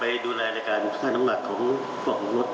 ดูแลในการค่าน้ำหนักของพวกรถ